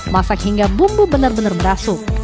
masak hingga bumbu benar benar berasu